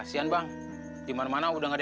hati hati di jakarta ya